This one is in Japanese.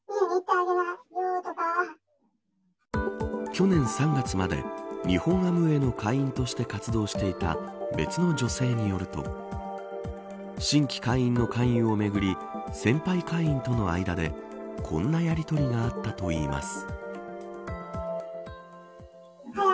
去年３月までに日本アムウェイの会員として活動していた別の女性によると新規会員の勧誘をめぐり先輩会員との間でこんなやりとりがあったといいます。